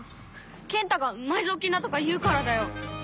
健太が埋蔵金だとか言うからだよ！